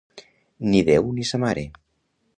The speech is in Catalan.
Ni Déu ni sa mare!